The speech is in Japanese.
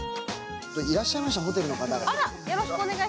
いらっしゃいました、ホテルの方が。